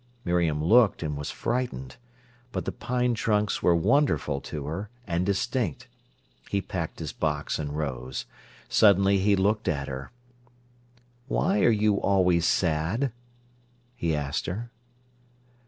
Miriam looked, and was frightened. But the pine trunks were wonderful to her, and distinct. He packed his box and rose. Suddenly he looked at her. "Why are you always sad?" he asked her.